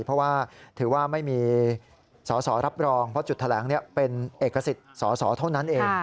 เพราะว่าถือว่าไม่มีสอสอรับรองเพราะจุดแถลงเป็นเอกสิทธิ์สอสอเท่านั้นเอง